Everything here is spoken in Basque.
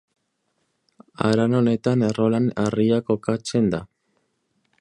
Haran honetan Errolan Harria kokatzen da.